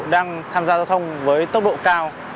đang tham gia giao thông với tốc độ cao